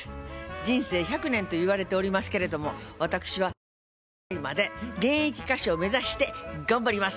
人生１００年といわれておりますけれども私は１０８歳まで現役歌手を目指して頑張ります。